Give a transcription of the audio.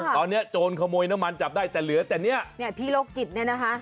ตอนนี้โจรขโมยน้ำมันจับได้แต่เหลือแต่เนี่ยพี่โรคจิตเนี่ยนะคะ